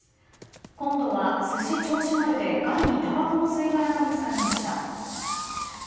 今度は、すし銚子丸でガリにたばこの吸い殻が見つかりました。